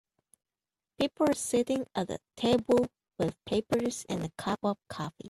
People are sitting at a table with papers and a cup of coffee.